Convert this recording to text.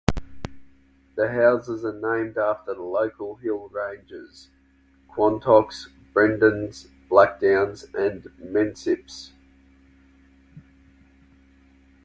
The houses are named after local hill ranges: Quantocks, Brendons, Blackdowns and Mendips.